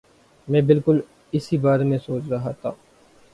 میں بالکل اسی بارے میں سوچ رہا تھا